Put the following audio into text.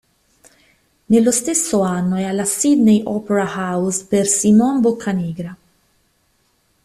Nello stesso anno è alla Sydney Opera House per "Simon Boccanegra".